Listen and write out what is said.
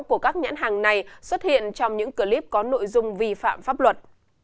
của các nhãn hàng này xuất hiện trong những clip có nội dung vi phạm pháp luật